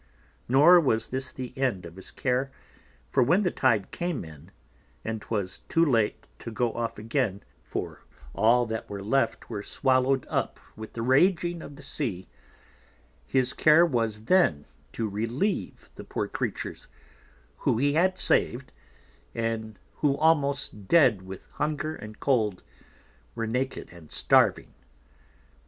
Nor was this the End of his Care, for when the Tide came in, and 'twas too late to go off again, for that all that were left were swallow'd up with the Raging of the Sea, his Care was then to relieve the poor Creatures, who he had sav'd, and who almost dead with Hunger and Cold, were naked and starving.